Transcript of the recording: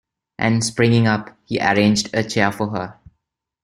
And, springing up, he arranged a chair for her.